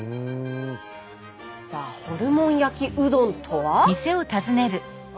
さあホルモン焼きうどんとは？